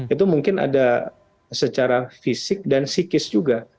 itu mungkin ada secara fisik dan psikis juga